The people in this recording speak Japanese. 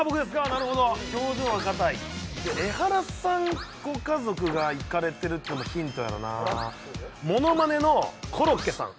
なるほど表情がかたいエハラさんご家族が行かれてるってのもヒントやろなものまねのコロッケさん